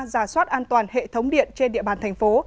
giả soát an toàn hệ thống điện trên địa bàn thành phố